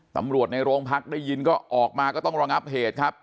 ตำรวจในโรงพักได้ยินก็ออกมาก็ต้องระงับเหตุครับ